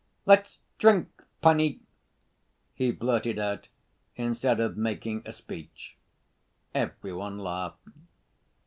"Let's drink, panie," he blurted out instead of making a speech. Every one laughed.